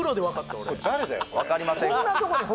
わかりませんか？